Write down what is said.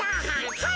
はい！